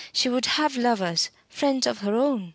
She would have lovers friends of her own.